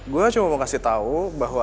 gua cuma mau kasih tau bahwa